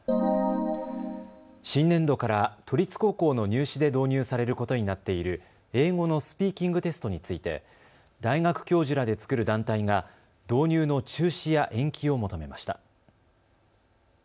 新年度から都立高校の入試で導入されることになっている英語のスピーキングテストについて大学教授らで作る団体が導入の中止や延期を求めました。